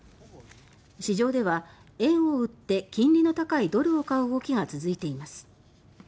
市場では、円を売って金利の高いドルを買う動きが続いています。